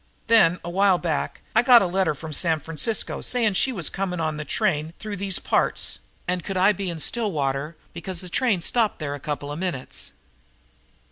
Then, a while back, I got a letter from San Francisco, saying that she was coming on a train through these parts and could I be in Stillwater because the train stopped there a couple of minutes.